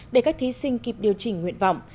để các thí sinh kịp điều chỉnh nguyện vọng